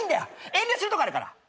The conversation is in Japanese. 遠慮するとこあるから。